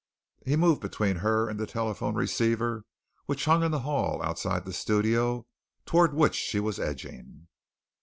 He moved between her and the telephone receiver, which hung in the hall outside the studio and toward which she was edging.